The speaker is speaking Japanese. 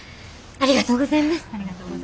ありがとうございます。